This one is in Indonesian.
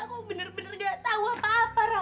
aku benar benar nggak tahu apa apa raka